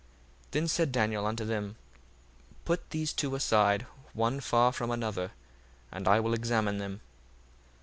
1:51 Then said Daniel unto them, Put these two aside one far from another, and I will examine them.